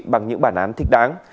bằng những bản án thích đáng